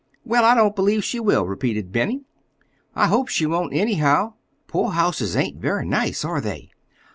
"Well, I don't believe she will," repeated Benny. "I hope she won't, anyhow. Poorhouses ain't very nice, are they?"